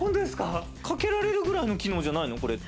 かけられるくらいの機能じゃないの？